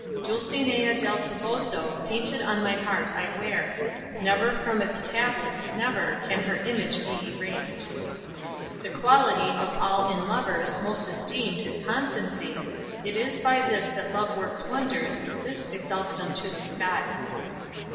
Dulcinea del Toboso Painted on my heart I wear; Never from its tablets, never, Can her image be eras'd. The quality of all in lovers Most esteemed is constancy; 'T is by this that love works wonders, This exalts them to the skies.